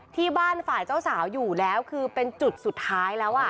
ที่บ้านฝ่ายเจ้าสาวอยู่แล้วคือเป็นจุดสุดท้ายแล้วอ่ะ